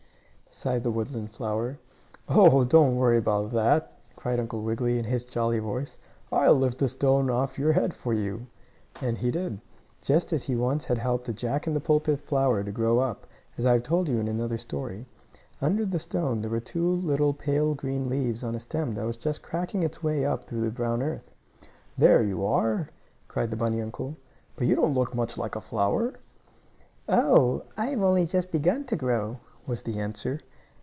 sighed the Woodland flower. "Oh, don't worry about that!" cried Uncle Wiggily, in his jolly voice. "I'll lift the stone off your head for you," and he did, just as he once had helped a Jack in the pulpit flower to grow up, as I have told you in another story. Under the stone were two little pale green leaves on a stem that was just cracking its way up through the brown earth. "There you are!" cried the bunny uncle. "But you don't look much like a flower." "Oh! I have only just begun to grow," was the answer.